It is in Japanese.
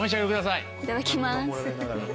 いただきます。